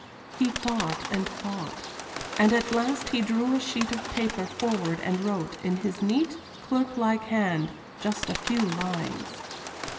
He thought and thought. And at last he drew a sheet of paper forward and wrote, in his neat, clerklike hand, just a few lines.